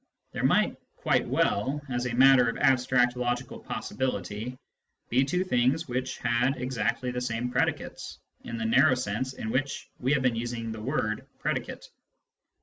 There might quite well, as a matter of abstract logical possibility, be two things which had exactly the same predicates, in the narrow sense in which we have been using the word " pre dicate."